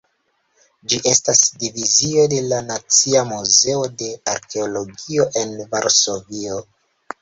Ĝi estas divizio de la Nacia Muzeo de Arkeologio en Varsovio.